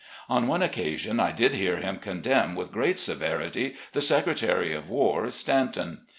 On one occasion, I did hear him condemn with great severity the Secretary of War, Stanton.